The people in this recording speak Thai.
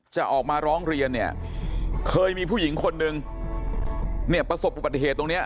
จะออกมาร้องเรียนเนี่ยเคยมีผู้หญิงคนนึงเนี่ยประสบอุบัติเหตุตรงเนี้ย